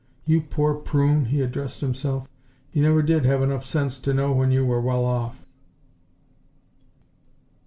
"You poor prune!" he addressed himself. "You never did have enough sense to know when you were well off."